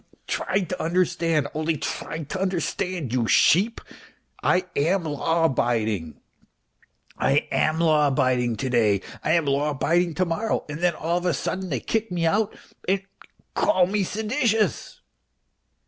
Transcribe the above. Try to understand, only try to understand, you sheep. I am law abiding. I am law abiding to day, I am law abiding to morrow, and then all of a sudden they kick me out and call me seditious."